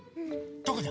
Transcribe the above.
どこだ？